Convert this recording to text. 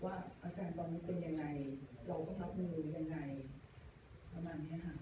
ว่าอาการต่อมุทรเป็นยังไงเราต้องรับมือยังไงประมาณเนี้ยฮะ